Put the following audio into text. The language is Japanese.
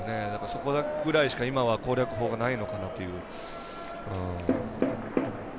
そこぐらいしか今は攻略法がないのかなという。